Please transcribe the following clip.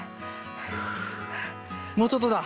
ふうもうちょっとだ。